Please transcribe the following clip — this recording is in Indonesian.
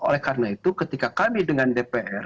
oleh karena itu ketika kami dengan dpr